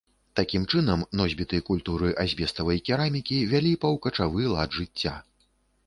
Такім чынам, носьбіты культуры азбеставай керамікі вялі паўкачавы лад жыцця.